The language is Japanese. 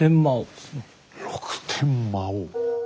六天魔王！